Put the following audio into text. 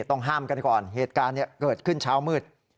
ต้องห้ามกันก่อนเหตุการณ์เกิดขึ้นเช้ามืด